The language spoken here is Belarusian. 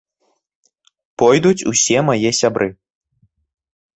Пойдуць усе мае сябры.